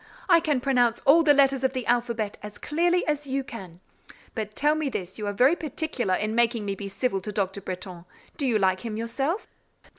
I can pronounce all the letters of the alphabet as clearly as you can. But tell me this you are very particular in making me be civil to Dr. Bretton, do you like him yourself?"